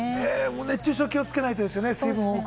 熱中症に気をつけないとですよね。